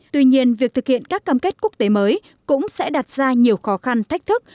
tuy nhiên việc thực hiện các cam kết quốc tế mới cũng sẽ đặt ra nhiều khó khăn thách thức